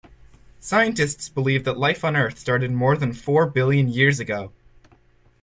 Scientists believe that life on Earth started more than four billion years ago